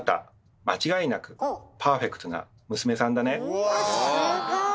うわすごい！